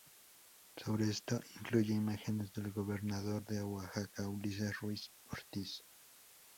Sobre esto, incluye imágenes del gobernador de Oaxaca Ulises Ruiz Ortiz.